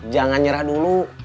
jangan nyerah dulu